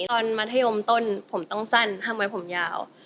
ตอนมัธยมต้นผมต้องสั้นห้ามไว้ผมยาว